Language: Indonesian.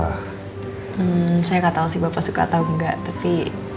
hmm saya nggak tahu sih bapak suka atau enggak tapi